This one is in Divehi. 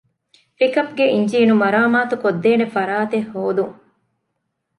ޕިކަޕްގެ އިންޖީނު މަރާމާތު ކޮށްދޭނެ ފަރާތެއް ހޯދުން